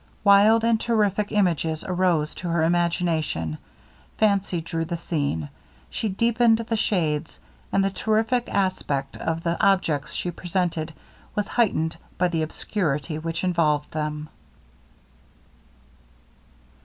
Wild and terrific images arose to her imagination. Fancy drew the scene; she deepened the shades; and the terrific aspect of the objects she presented was heightened by the obscurity which involved them.